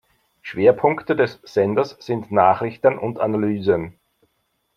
Schwerpunkte des Senders sind Nachrichten und Analysen.